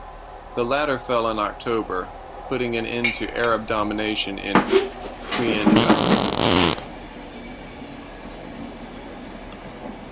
The latter fell in October, putting an end to Arab domination in Cuenca.